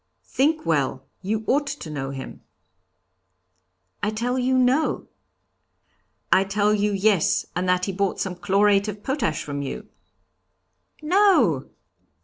'Think well; you ought to know him.' 'I tell you, no.' 'I tell you, yes, and that he bought some chlorate of potash from you.' 'No!'